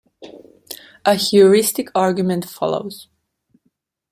A heuristic argument follows.